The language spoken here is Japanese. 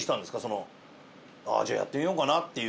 ああじゃあやってみようかなっていう。